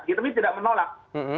kita ini tidak menolak